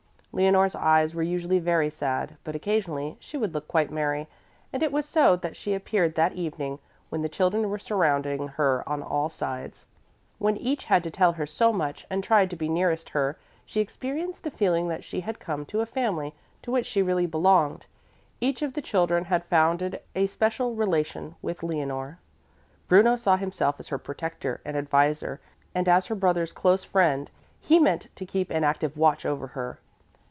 Leonore's eyes were usually very sad, but occasionally she would look quite merry, and it was so that she appeared that evening when the children were surrounding her on all sides. When each had to tell her so much and tried to be nearest her, she experienced the feeling that she had come to a family to which she really belonged. Each of the children had founded a special relation with Leonore. Bruno saw himself as her protector and adviser, and as her brother's close friend he meant to keep an active watch over her.